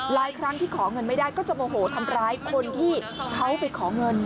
ครั้งที่ขอเงินไม่ได้ก็จะโมโหทำร้ายคนที่เขาไปขอเงิน